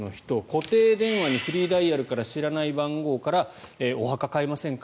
固定電話にフリーダイヤルや知らない番号からお墓買いませんか？